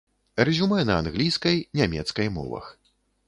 Рэзюмэ на англійскай, нямецкай мовах.